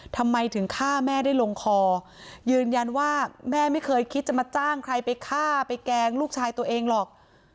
ทำไมถึงฆ่าแม่ได้ลงคอยืนยันว่าแม่ไม่เคยคิดจะมาจ้างใครไปฆ่าไปแกล้งลูกชายตัวเองหรอก